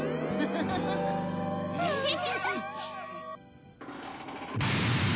フフフ。